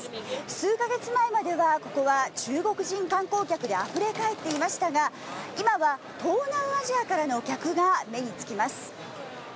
数か月前まではここは中国人観光客であふれ返っていましたが今は、東南アジアからの客が目につきます。